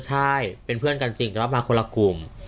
ไปเป็นเพื่อนกันจริงแล้วมาคนละกลุ่ม